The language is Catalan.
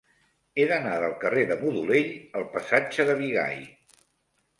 He d'anar del carrer de Modolell al passatge de Bigai.